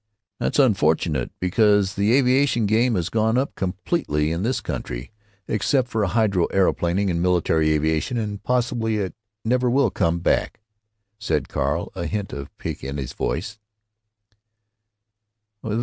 "That's unfortunate, because the aviation game has gone up completely in this country, except for hydro aeroplaning and military aviation, and possibly it never will come back," said Carl, a hint of pique in his voice.